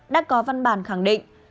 đã có văn bản khẳng định